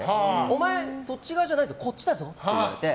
お前、そっち側じゃなくてこっちだぞって言われて。